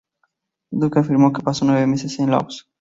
Duke afirmó que pasó nueve meses en Laos.